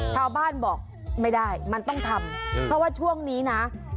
ชาวบ้านบอกไม่ได้มันต้องทำเพราะว่าช่วงนี้นะ